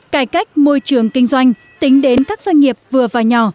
cải cách môi trường kinh doanh tính đến các doanh nghiệp vừa và nhỏ